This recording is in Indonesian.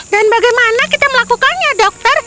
dan bagaimana kita melakukannya dokter